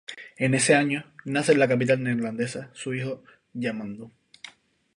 En ese año, nace en la capital neerlandesa, su hijo Yamandú.